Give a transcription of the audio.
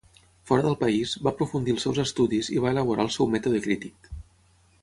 Fora del país, va aprofundir els seus estudis i va elaborar el seu mètode crític.